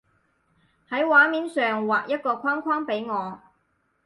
喺畫面上畫一個框框畀我